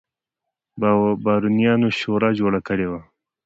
بارونیانو شورا جوړه کړې وه.